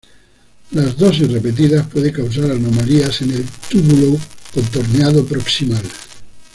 Las dosis repetidas puede causar anomalías en el túbulo contorneado proximal.